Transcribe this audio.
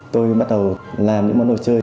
tôi bắt đầu làm những món đồ chơi